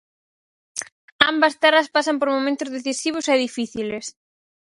Ambas terras pasan por momentos decisivos e difíciles.